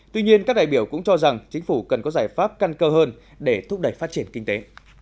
tuy nhiên các đại biểu cũng cho rằng chính phủ cần có giải pháp căn cơ hơn để thúc đẩy phát triển kinh tế